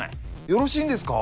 よろしいんですか？